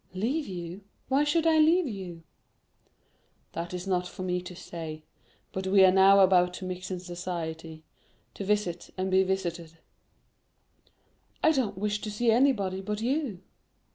"Leave you? Why should I leave you?" "That is not for me to say; but we are now about to mix in society—to visit and be visited." "I don't wish to see anybody but you."